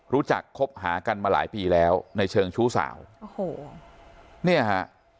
คบหากันมาหลายปีแล้วในเชิงชู้สาวโอ้โหเนี่ยฮะ